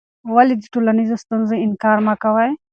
ولې د ټولنیزو ستونزو انکار مه کوې؟